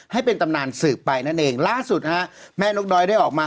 ให้เป็นตำนานสืบไปนั่นเองล่าสุดฮะแม่นกดอยได้ออกมา